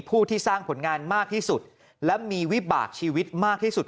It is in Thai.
ผู้ที่สร้างผลงานมากที่สุดและมีวิบากชีวิตมากที่สุด